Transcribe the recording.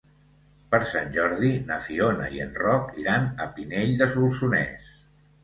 Per Sant Jordi na Fiona i en Roc iran a Pinell de Solsonès.